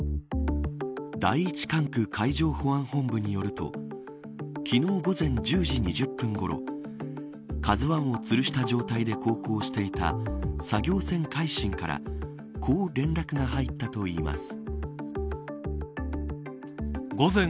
第１管区海上保安本部によると昨日午前１０時２０分ごろＫＡＺＵ１をつるした状態で航行していた作業船、海進からこう連絡が入ったといいます。